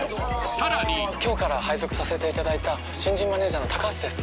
さらに今日から配属させていただいた新人マネージャーのタカハシです